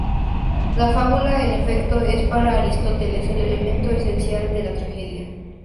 La fábula, en efecto, es para Aristóteles el elemento esencial de la tragedia.